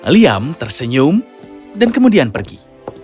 liam tersenyum dan kemudian pergi